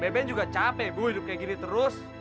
beben juga capek bu hidup kayak gini terus